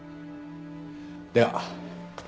では。